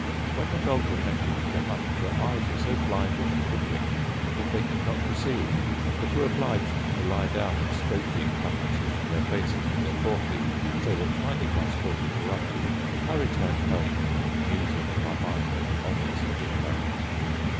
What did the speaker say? When the dogs attempted to hunt, their eyes were so blinded and hoodwinked that they could not proceed, but were obliged to lie down and scrape the incumbrances from their faces with their fore feet, so that, finding my sport interrupted, I returned home musing in my mind on the oddness of the occurrence.